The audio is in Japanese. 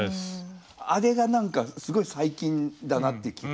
あれが何かすごい最近だなっていう気が。